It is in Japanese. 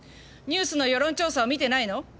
ニュースの世論調査を見てないの？